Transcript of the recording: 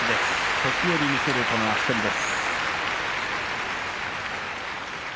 時折見せる足取りです。